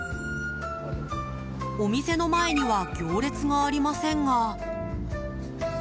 お店の前には行列がありませんが。